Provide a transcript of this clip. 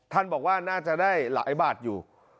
ท่านบอกว่าน่าจะได้หลายบาทอยู่